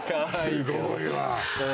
すごいわ。